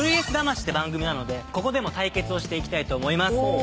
『ＶＳ魂』って番組なのでここでも対決をしていきたいと思います。